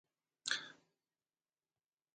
بدخشان د افغانستان په هره برخه کې موندل کېږي.